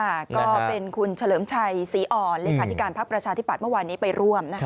ใช่ค่ะก็เป็นคุณเฉลิมชัยศรีอ่อนเล็กทางธิการภักดิ์ประชาธิปัตย์เมื่อวานนี้ไปร่วม